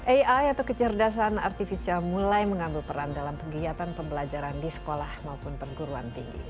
ai atau kecerdasan artificial mulai mengambil peran dalam kegiatan pembelajaran di sekolah maupun perguruan tinggi